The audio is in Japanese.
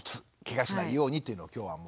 けがしないようにというのを今日はもう。